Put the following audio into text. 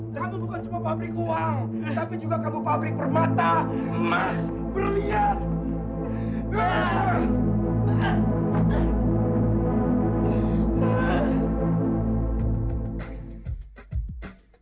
terlalu bukan cuma pabrik uang tapi juga kamu pabrik permata emas berlian